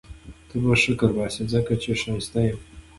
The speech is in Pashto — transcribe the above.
ته به شکرباسې ځکه چي ښایسته یم